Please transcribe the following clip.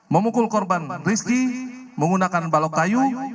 memukul korban rizki menggunakan balok kayu